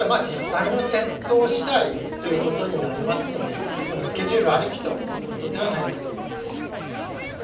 実際の戦闘次第ということになりますのでスケジュールありきということではないんだと思います。